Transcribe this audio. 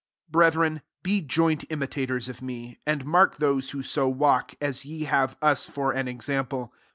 17 Brethren, be joint imita tors of me, and mark those who so walk, as ye have us for an example.